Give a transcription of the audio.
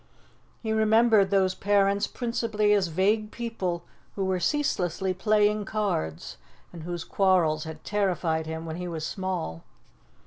He remembered those parents principally as vague people who were ceaselessly playing cards, and whose quarrels had terrified him when he was small.